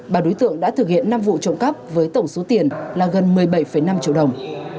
bà đối tượng đã thực hiện năm vụ trộm cắp với tổng số tiền là gần một mươi bảy năm triệu đồng